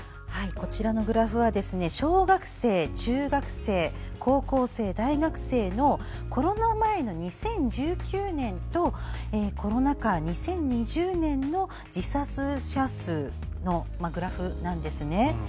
こちらのグラフは小学生、中学生高校生、大学生のコロナ前の２０１９年とコロナ禍の２０２０年の自殺者数のグラフなんですね。